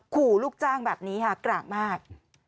ขู่ลูกจ้างแบบนี้ค่ะกลางมาก